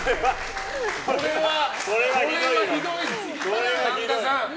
これはひどいです！